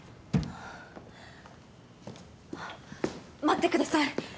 待ってください。